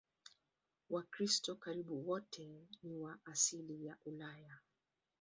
Wakristo karibu wote ni wa asili ya Ulaya.